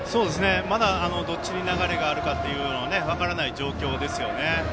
まだ、どっちに流れがあるかというのは分からない状況ですよね。